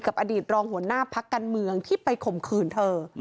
อดีตรองหัวหน้าพักการเมืองที่ไปข่มขืนเธอ